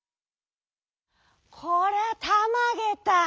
「こりゃたまげた。